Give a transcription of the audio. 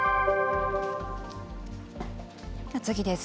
次です。